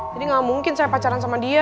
jadi gak mungkin saya pacaran sama dia